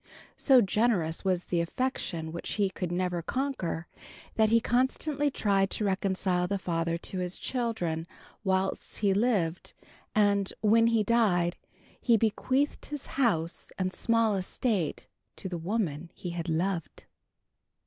So generous was the affection which he could never conquer, that he constantly tried to reconcile the father to his children whilst he lived, and, when he died, he bequeathed his house and small estate to the woman he had loved.